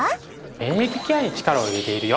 免疫ケアに力を入れているよ